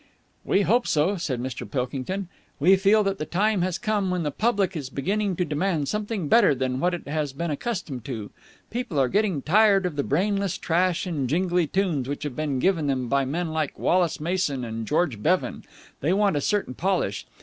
"We hope so," said Mr. Pilkington. "We feel that the time has come when the public is beginning to demand something better than what it has been accustomed to. People are getting tired of the brainless trash and jingly tunes which have been given them by men like Wallace Mason and George Bevan. They want a certain polish....